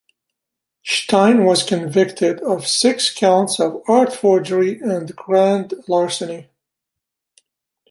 Stein was convicted of six counts of art forgery and grand larceny.